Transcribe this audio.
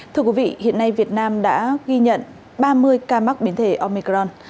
thưa quý vị hiện nay việt nam đã ghi nhận ba mươi ca mắc biến thể omicron